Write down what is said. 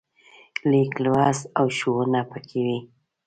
لیک لوست او ښوونه پکې وي.